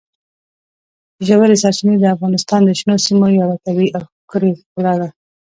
ژورې سرچینې د افغانستان د شنو سیمو یوه طبیعي او ښکلې ښکلا ده.